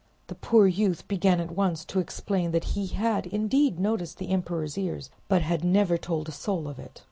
The poor youth began at once to explain that he had indeed noticed the emperor's ears, but had never told a soul of it.